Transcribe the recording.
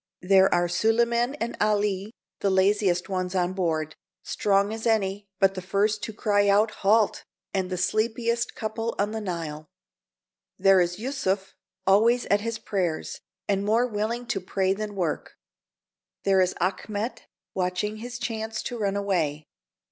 There are Sulieman and Ali, the laziest ones on board, strong as any, but the first to cry out, "Halt," and the sleepiest couple on the Nile. There is Yusuf, always at his prayers, and more willing to pray than work. There is Achmet, watching his chance to run away.